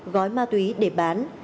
gói ma túy để bán